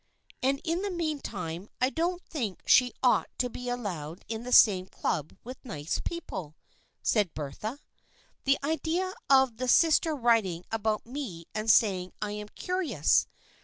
" And in the meantime I don't think she ought to be allowed in the same club with nice people," said Bertha. " The idea of the sister writing about me and saying I am curious